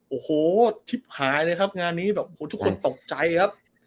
โอ้โหชิบหายเลยครับงานนี้แบบโหทุกคนตกใจครับ